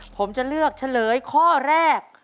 ผมจะเลือกเฉลยข้อแรก